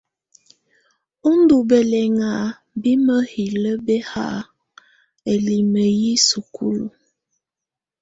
Ú ndù bɛlɛŋa bi mǝhilǝ bɛhaa ǝlimǝ yi sukulu.